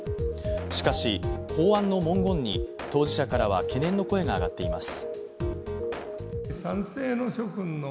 しかし、法案の文言に当事者からは懸念の声が上がっています。